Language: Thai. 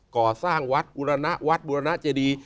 ก่อสร้างวัดบุรณวัดบุรณเจดี